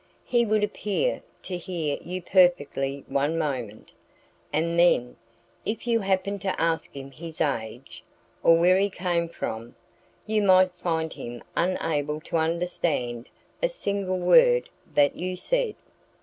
He would appear to hear you perfectly one moment. And then if you happened to ask him his age, or where he came from you might find him unable to understand a single word that you said.